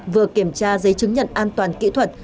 vừa kiểm tra giấy chứng nhận an toàn kỹ thuật